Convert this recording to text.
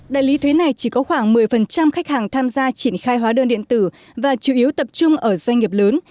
đại lý thuế này chỉ có khoảng một mươi khách hàng tham gia triển khai hóa đơn điện tử và chủ yếu tập trung ở doanh nghiệp lớn